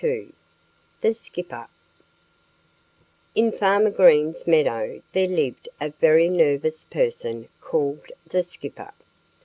XXII THE SKIPPER IN Farmer Green's meadow there lived a very nervous person called the Skipper.